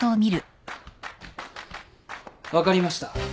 分かりました。